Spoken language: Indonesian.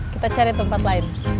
kita cari tempat lain